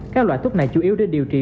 các loại thuốc này chủ yếu để điều trị